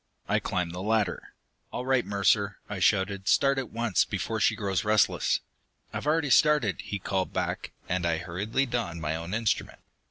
I climbed the ladder. "All right, Mercer," I shouted. "Start at once, before she grows restless!" "I've already started!" he called back, and I hurriedly donned my own instrument.